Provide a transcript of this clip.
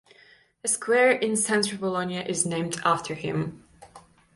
A square in central Bologna is named after him.